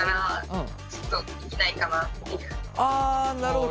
あなるほど。